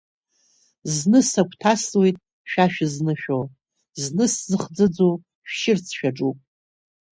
Зны сагәҭасуеит шәа шәызнышәо, зны сзыхӡыӡо шәшьырц шәаҿуп…